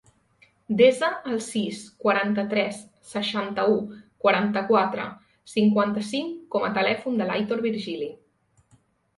Desa el sis, quaranta-tres, seixanta-u, quaranta-quatre, cinquanta-cinc com a telèfon de l'Aitor Virgili.